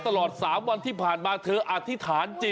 ตลอด๓วันที่ผ่านมาเธออธิษฐานจิต